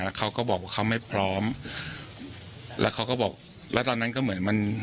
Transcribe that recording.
แล้วเขาก็บอกว่าเขาไม่พร้อมแล้วเขาก็บอกแล้วตอนนั้นก็เหมือนมัน